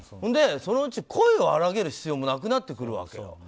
そのうち声を荒らげる必要もなくなってくるわけよ。